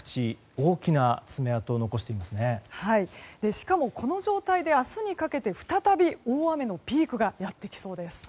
しかもこの状態で明日にかけて再び大雨のピークがやってきそうです。